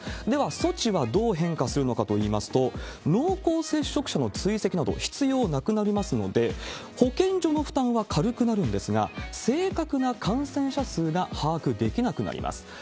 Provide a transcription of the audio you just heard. では、措置はどう変化するのかといいますと、濃厚接触者の追跡など必要なくなりますので、保健所の負担は軽くなるんですが、正確な感染者数が把握できなくなります。